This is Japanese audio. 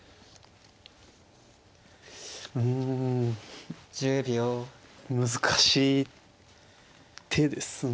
うん難しい手ですね。